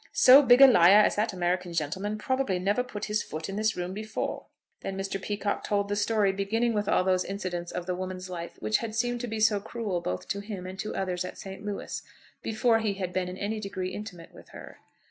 So big a liar as that American gentleman probably never put his foot in this room before." Then Mr. Peacocke told the story, beginning with all those incidents of the woman's life which had seemed to be so cruel both to him and to others at St. Louis before he had been in any degree intimate with her.